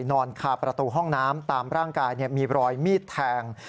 นอนคาประตูห้องน้ำตามร่างกายมีรอยมีดแทง